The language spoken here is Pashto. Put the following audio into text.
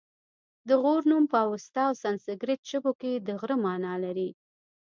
د غور نوم په اوستا او سنسګریت ژبو کې د غره مانا لري